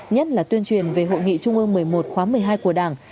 nhất là tuyên truyền về hội nghị trung ương một mươi một khóa một mươi hai của đảng